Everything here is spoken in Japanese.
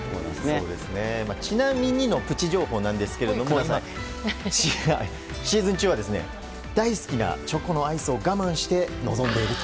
ちなみにのプチ情報なんですがシーズン中は大好きなチョコのアイスを我慢して臨んでいると。